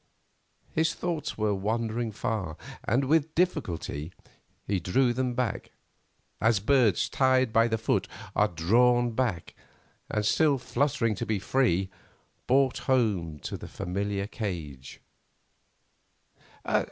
His thoughts were wandering far, and with difficulty he drew them back, as birds tied by the foot are drawn back and, still fluttering to be free, brought home to the familiar cage.